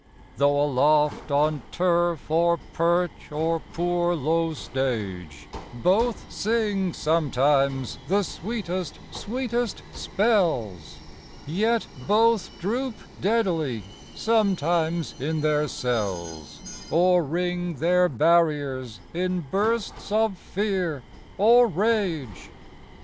Though aloft on turf or perch or poor low stage, Both sing sometimes the sweetest, sweetest spells, Yet both droop deadly sometimes in their cells Or wring their barriers in bursts of fear or rage.